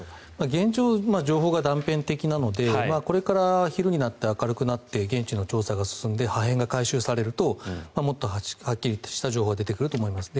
現状、情報が断片的なのでこれから昼になって明るくなって現地の調査が進んで破片が回収されるともっとはっきりとした情報が出てくると思います。